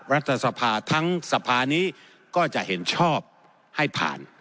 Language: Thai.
รัฐสภาทั้งสภานี้ก็จะเห็นชอบให้ผ่าน